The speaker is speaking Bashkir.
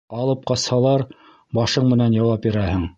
Алып ҡасһалар, башың менән яуап бирәһең!